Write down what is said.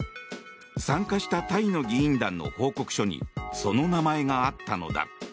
参加したタイの議員団の報告書にその名前があったのだ。